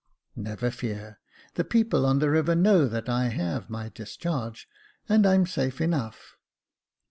" Never fear : the people on the river know that I have my discharge, and I'm safe enough."